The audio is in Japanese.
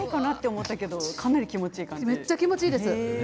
めっちゃ気持ちいいです。